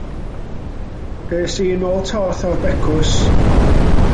Es i i nôl torth o'r becws.